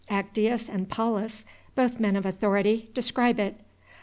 Actius and Paulus, both men of authority, describe it.